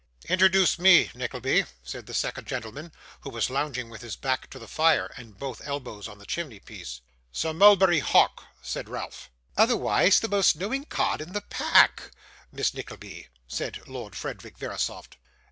'Introduce me, Nickleby,' said this second gentleman, who was lounging with his back to the fire, and both elbows on the chimneypiece. 'Sir Mulberry Hawk,' said Ralph. 'Otherwise the most knowing card in the pa ack, Miss Nickleby,' said Lord Frederick Verisopht.